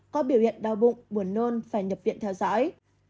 có biểu hiện đau bụng buồn nôn phải nhập viện theo dõi